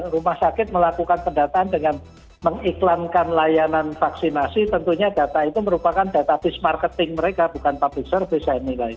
rumah sakit melakukan pendataan dengan mengiklankan layanan vaksinasi tentunya data itu merupakan data marketing mereka bukan publisher bisa nilai